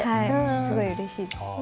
すごいうれしいです。